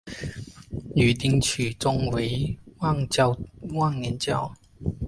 与丁取忠为忘年交。